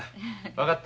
分かった。